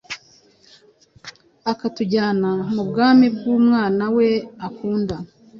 akatujyana mu bwami bw’Umwana we akunda.”